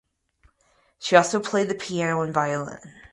She also played the piano and violin.